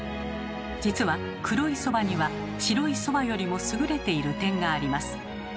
実は黒いそばには白いそばよりも優れている点があります。